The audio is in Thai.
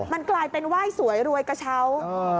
มันกลายเป็นว่ายสวยรวยกะชาว